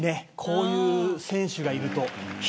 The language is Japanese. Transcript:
こういう選手がいると。